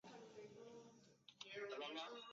决定向妈妈拿些钱放在身边